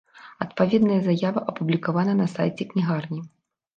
Адпаведная заява апублікавана на сайце кнігарні.